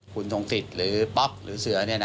คุณสงสิทธิ์หรือป๊อกหรือเสือ